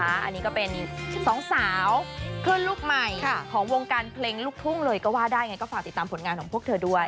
อันนี้ก็เป็นสองสาวขึ้นลูกใหม่ของวงการเพลงลูกทุ่งเลยก็ว่าได้ไงก็ฝากติดตามผลงานของพวกเธอด้วย